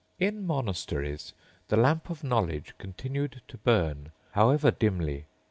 * 'In monasteries the lamp of knowledge continued to burn, however dimly.